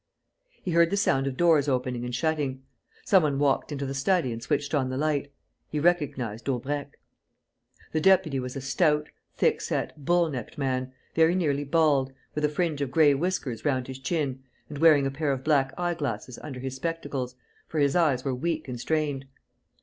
He heard the sound of doors opening and shutting. Some one walked into the study and switched on the light. He recognized Daubrecq. The deputy was a stout, thickset, bull necked man, very nearly bald, with a fringe of gray whiskers round his chin and wearing a pair of black eye glasses under his spectacles, for his eyes were weak and strained.